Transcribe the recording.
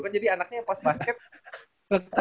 kan jadi anaknya pas basket